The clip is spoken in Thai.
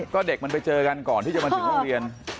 ก็เด็กมันไปเจอกันก่อนที่จะมาถึงโรงเรียน